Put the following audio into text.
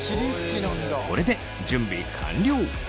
これで準備完了！